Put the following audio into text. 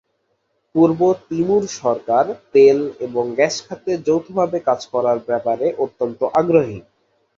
পূর্ব Timor সরকার তেল এবং গ্যাস খাতে যৌথভাবে কাজ করার ব্যাপারে অত্যন্ত আগ্রহী।